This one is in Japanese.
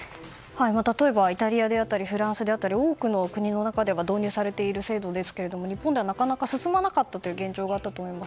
例えば、イタリアであったりフランスであったり多くの国の中では導入されている制度ですが日本ではなかなか進まなかった現状があったと思います。